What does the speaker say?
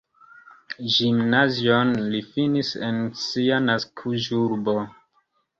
Gimnazion li finis en sia naskiĝurbo.